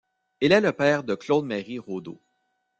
Il est le père de Claude-Marie Raudot.